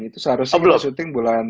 itu seharusnya syuting bulan